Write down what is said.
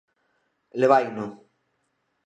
Levaino!